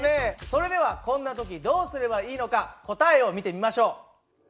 それではこんな時どうすればいいのか答えを見てみましょう。